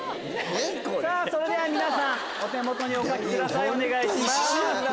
それでは皆さんお手元にお書きください。